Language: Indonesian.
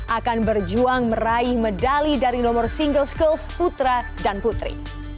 akan berjuang meraih medali dari nomor single schools putra dan putri